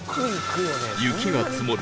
雪が積もる